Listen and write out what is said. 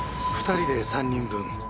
２人で３人分。